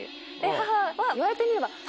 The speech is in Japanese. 母は言われてみれば。